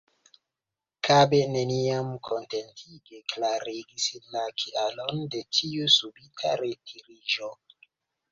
Kabe neniam kontentige klarigis la kialon de tiu subita retiriĝo.